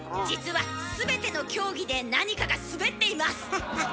実は全ての競技でなにかが滑っています！